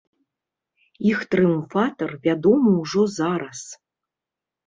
Іх трыумфатар вядомы ўжо зараз.